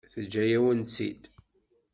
Teǧǧa-yawen-tt-id.